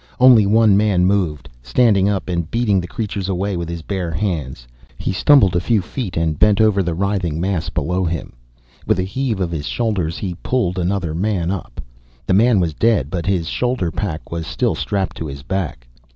Only one man moved, standing up and beating the creatures away with his bare hands. He stumbled a few feet and bent over the writhing mass below him. With a heave of his shoulders he pulled another man up. The man was dead but his shoulder pack was still strapped to his back.